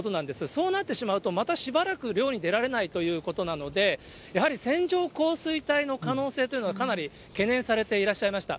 そうなってしまうと、またしばらく漁に出られないということなので、やはり線状降水帯の可能性というのがかなり懸念されていらっしゃいました。